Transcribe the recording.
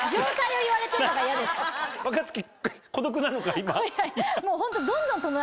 今。